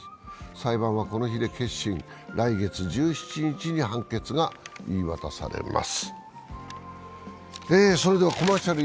裁判はこの日で結審、来月１７日に判決が言い渡されます。